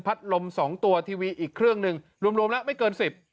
พัดลม๒ตัวทีวีอีกเครื่องหนึ่งรวมละไม่เกิน๑๐